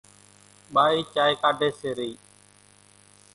ٻائِي چائيَ ڪاڍيَ سي رئِي۔